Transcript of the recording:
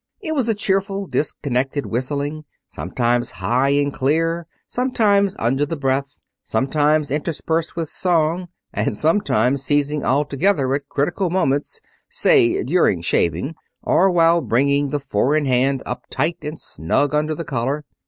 It was a cheerful, disconnected whistling, sometimes high and clear, sometimes under the breath, sometimes interspersed with song, and sometimes ceasing altogether at critical moments, say, during shaving, or while bringing the four in hand up tight and snug under the collar.